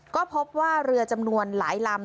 ก็พบว่าเรือจำนวนหลายลำ